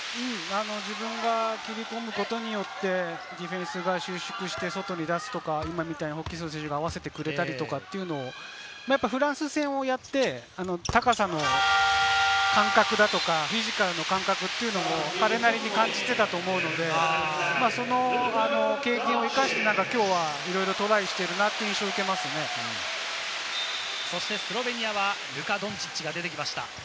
自分が切り込むことによってディフェンスが収縮して外に出すとか、ホーキンソン選手が合わせてくれたりとか、フランス戦をやって、高さの感覚だとか、フィジカルの感覚を彼なりに感じていたと思うので、その経験を生かして今日はいろいろトライしているなという印象をスロベニアはルカ・ドンチッチが出てきました。